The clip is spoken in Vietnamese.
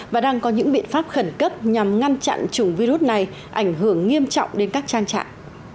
và đang có những biện pháp khẩn cấp nhằm ngăn chặn chủng virus này ảnh hưởng nghiêm trọng đến các trang trại